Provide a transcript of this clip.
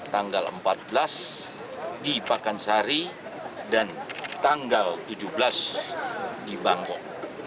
tanggal empat belas di pakansari dan tanggal tujuh belas di bangkok